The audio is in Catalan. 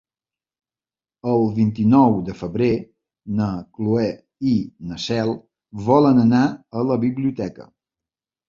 El vint-i-nou de febrer na Cloè i na Cel volen anar a la biblioteca.